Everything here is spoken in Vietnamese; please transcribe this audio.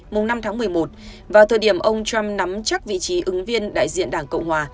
mùng năm tháng một mươi một vào thời điểm ông trump nắm chắc vị trí ứng viên đại diện đảng cộng hòa